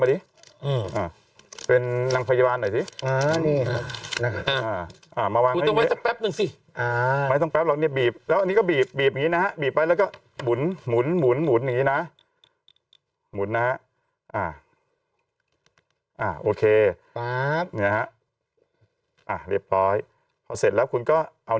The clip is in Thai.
เก็บไว้อันนี้ค่ะเก็บเข้าไปอย่างนี้นะฮะนะฮะแล้วก็เอา